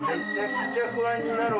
めちゃくちゃ不安になる。